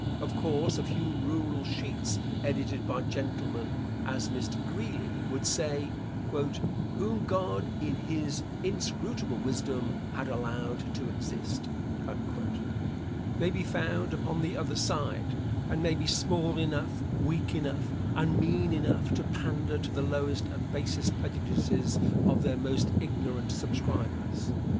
Of course, a few rural sheets edited by gentlemen, as Mr. Greeley would say, "whom God in his inscrutable wisdom had allowed to exist," may be found upon the other side, and may be small enough, weak enough and mean enough to pander to the lowest and basest prejudices of their most ignorant subscribers.